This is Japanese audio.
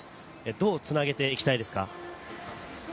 どうつなげていきたいですか？